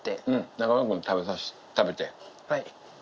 中野君も食べて。